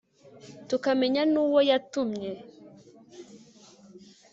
tukamenya n'uwo yatumye